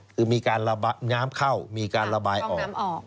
คือมีการระบายน้ำเข้ามีการระบายออก